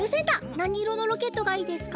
なにいろのロケットがいいですか？